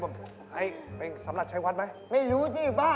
แบบเป็นทรัพย์ชายวัดไหมไม่รู้สิบ้า